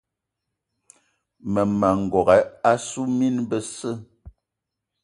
Mmema n'gogué assu mine besse.